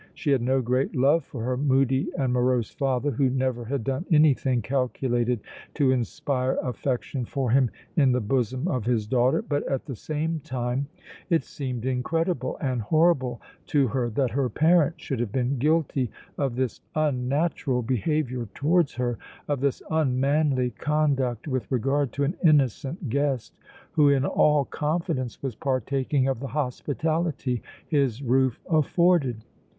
She had no great love for her moody and morose father, who never had done anything calculated to inspire affection for him in the bosom of his daughter, but, at the same time, it seemed incredible and horrible to her that her parent should have been guilty of this unnatural behavior towards her, of this unmanly conduct with regard to an innocent guest who in all confidence was partaking of the hospitality his roof afforded.